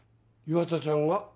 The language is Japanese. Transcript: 岩田ちゃんが？